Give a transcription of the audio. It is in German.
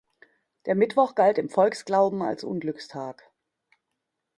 Der Mittwoch galt im Volksglauben als Unglückstag.